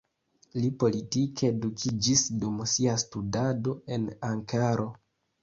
Li politike edukiĝis dum sia studado en Ankaro.